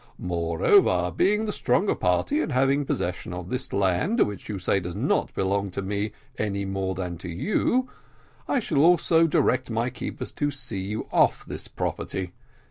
Moreover, being the stronger party, and having possession of this land, which you say does not belong to me more than to you I also shall direct my keepers to see you off this property.